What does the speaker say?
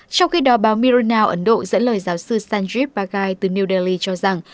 trong khi đó báo mirror now ấn độ dẫn lời giáo sư sanjeev bagai từ new delhi cho rằng